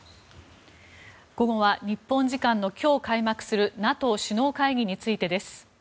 午後は日本時間の今日開幕するＮＡＴＯ首脳会議についてです。